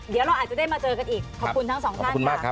เดี๋ยวเราอาจจะได้มาเจอกันอีกขอบคุณทั้งสองท่านค่ะ